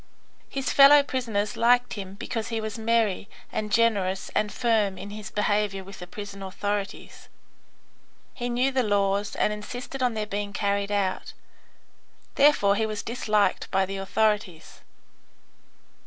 His fellow prisoners liked him because he was merry and generous and firm in his behaviour with the prison authorities. He knew the laws and insisted on their being carried out. Therefore he was disliked by the authorities.